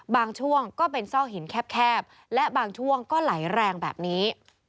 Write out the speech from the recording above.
ช่วงก็เป็นซอกหินแคบและบางช่วงก็ไหลแรงแบบนี้